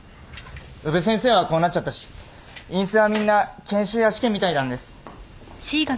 宇部先生はこうなっちゃったし院生はみんな研修や試験みたいなんです。